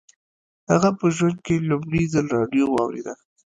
هغه په ژوند کې لومړي ځل راډیو واورېده